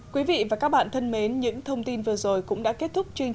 hãy đăng ký kênh để theo dõi các bài hát mới nhất